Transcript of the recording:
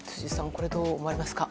これはどう思われますか。